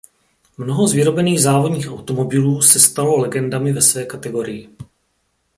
Mnoho z vyrobených závodních automobilů se stalo legendami ve své kategorii.